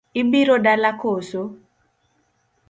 Ibiro dalana koso?